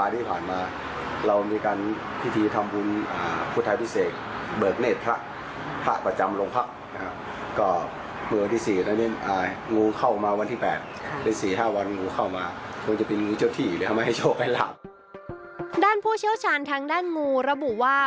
ด้านผู้เชี่ยวชาญทางด้านงูระบุว่า